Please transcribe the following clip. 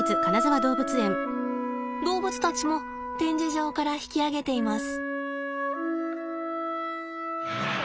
動物たちも展示場から引き揚げています。